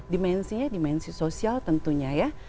dimensinya dimensi sosial tentunya ya